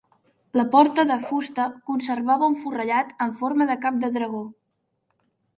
La porta de fusta conserva un forrellat amb forma de cap de dragó.